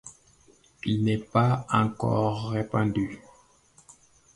Il n'est pas encore répandu.